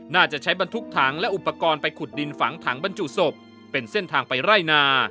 น่าจะใช้บรรทุกถังและอุปกรณ์ไปขุดดินฝังถังบรรจุศพเป็นเส้นทางไปไล่นา